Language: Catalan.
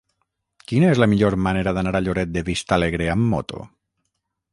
Quina és la millor manera d'anar a Lloret de Vistalegre amb moto?